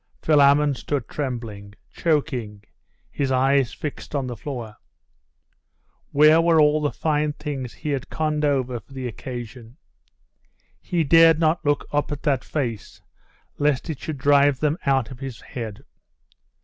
Philammon stood trembling, choking, his eyes fixed on the floor. Where were all the fine things he had conned over for the occasion? He dared not look up at that face, lest it should drive them out of his head.